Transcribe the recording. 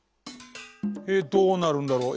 えっどうなるんだろう？